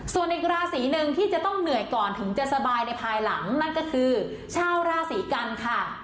ส่วนอีกราศีหนึ่งที่จะต้องเหนื่อยก่อนถึงจะสบายในภายหลังนั่นก็คือชาวราศีกันค่ะ